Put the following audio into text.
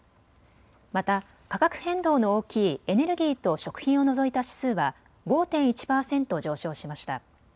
また価格変動の大きいエネルギーと食品を除いた指数は５．１％上昇しました。